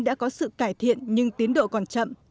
đã có sự cải thiện nhưng tiến độ còn chậm